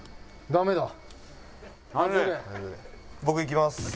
僕いきます。